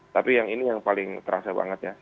tapi yang ini yang paling terasa banget ya